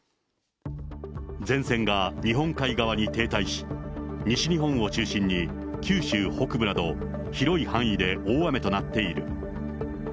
前線が日本海側に停滞し、西日本を中心に九州北部など、広い範囲で大雨となっている。